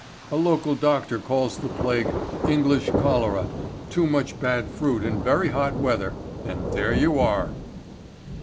A local doctor calls the plague English cholera, too much bad fruit in very hot weather, and there you are."